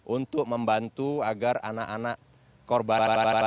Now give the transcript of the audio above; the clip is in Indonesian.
untuk membantu agar anak anak korban